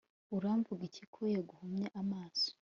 uramuvugaho iki ko yaguhumuye amaso